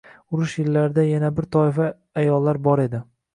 Urush yillarida yana bir toifa ayollar bor edi